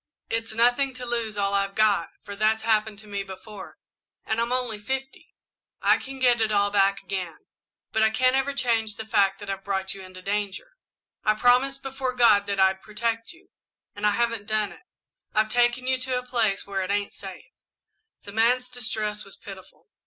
It's nothing to lose all I've got, for that's happened to me before, and I'm only fifty I can get it all back again, but I can't ever change the fact that I've brought you into danger. I promised before God that I'd protect you, and I haven't done it. I've taken you to a place where it ain't safe." The man's distress was pitiful.